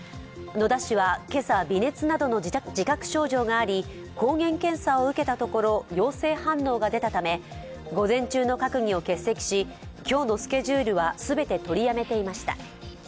野田氏は今朝、微熱などの自覚症状があり、抗原検査を受けたところ陽性反応が出たため午前中の閣議を欠席し、今日のスケジュールは全て取りやめていました。